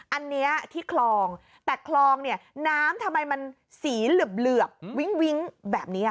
อันนี้ที่คลองแต่คลองเนี่ยน้ำทำไมมันสีเหลือบวิ้งวิ้งแบบนี้ค่ะ